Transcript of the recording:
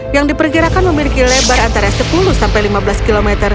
yang diperkirakan memiliki lebar antara sepuluh sampai lima belas km